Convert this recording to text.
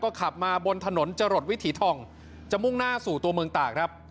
ขับมาบนถนนจรดวิถีทองจะมุ่งหน้าสู่ตัวเมืองตากครับ